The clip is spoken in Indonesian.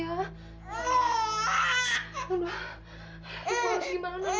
aduh aku harus gimana ya